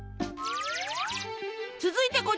続いてこちら。